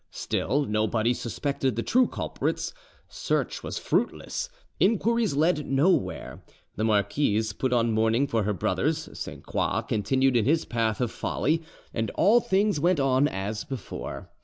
Still nobody suspected the true culprits, search was fruitless, inquiries led nowhere: the marquise put on mourning for her brothers, Sainte Croix continued in his path of folly, and all things went on as before.